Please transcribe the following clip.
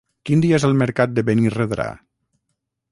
Quin dia és el mercat de Benirredrà?